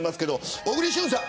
小栗旬さん